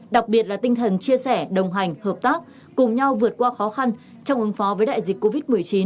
đặc biệt là tinh thần chia sẻ đồng hành hợp tác cùng nhau vượt qua khó khăn trong ứng phó với đại dịch covid một mươi chín